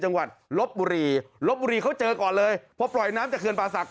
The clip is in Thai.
จังหวัดลบบุรีลบบุรีเขาเจอก่อนเลยพอปล่อยน้ำจากเขื่อนป่าศักดิ